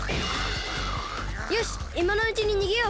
よしいまのうちににげよう！